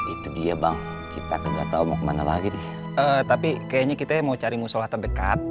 itu dia bang kita gak tau mau kemana lagi tapi kayaknya kita mau cari musola terdekat